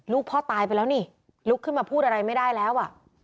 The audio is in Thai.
ลูกพ่อตายไปแล้วนี่ลุกขึ้นมาพูดอะไรไม่ได้แล้วอ่ะ